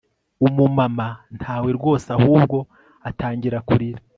Umumama ntawe rwose ahubwo atangira kurira